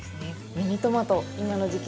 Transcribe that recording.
ミニトマト、今の時期